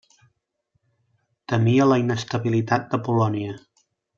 Temia la inestabilitat de Polònia.